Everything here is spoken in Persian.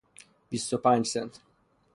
بیست و پنج سنت